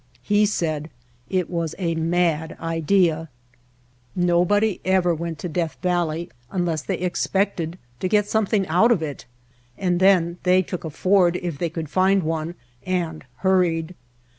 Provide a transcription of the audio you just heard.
He said it was a mad idea. Nobody ever went to Death Valley unless they expected to get something out of it, and then they took a Ford if they could find one and hurried.